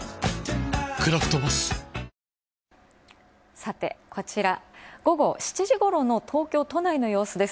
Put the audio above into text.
さて、こちら、午後七時ごろの東京都内の様子です。